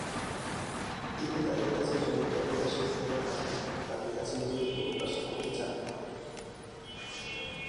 তিনি তাদের কাছে যৌনতা প্রকাশিত হবার আগে তাদের কাছে নিজে থেকে প্রকাশ করতে চান নি।